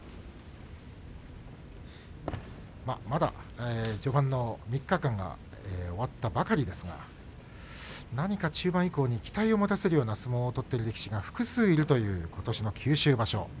まだ序盤の３日間が終わったばかりですが何か中盤以降に期待を持たせるような相撲を取っている力士が複数いるということしの九州場所。